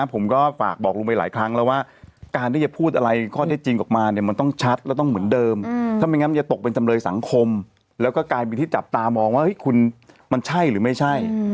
ผมก็ฝากบอกลุงไปหลายครั้งแล้วว่า